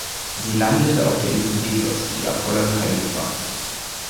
Sie landete auf der Insel Delos, die Apollon heilig war.